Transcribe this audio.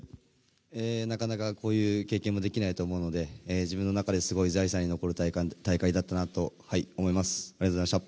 なかなかこういう経験ができないと思うので自分の中で財産に残る大会だったと思います。